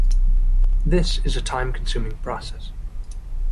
This is a time-consuming process.